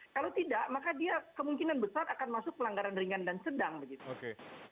kalau tidak maka dia kemungkinan besar akan masuk pelanggaran ringan dan sedang begitu